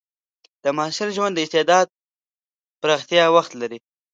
د محصل ژوند د استعداد پراختیا وخت دی.